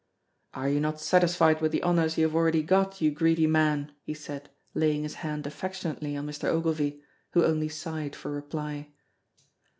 "Are you not satisfied with the honors you have already got, you greedy man?" he said, laying his hand affectionately on Mr. Ogilvy, who only sighed for reply.